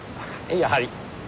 やはり。